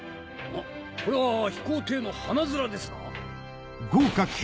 これは飛行艇の鼻面ですな？